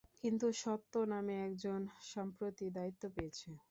কিন্তু সত্য নামে একজন সম্প্রতি দায়িত্ব পেয়েছে।